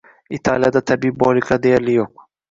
Italiyada tabiiy boyliklar deyarli yo‘q